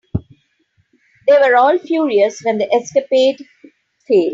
They were all furious when the escapade failed.